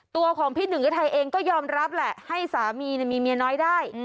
ตัวของพี่หนึ่งฤทัยเองก็ยอมรับแหละให้สามีมีเมียน้อยได้